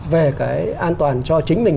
về cái an toàn cho chính mình